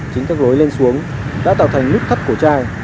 chính các gối lên xuống đã tạo thành nút thắt cổ chai